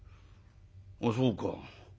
あっそうか。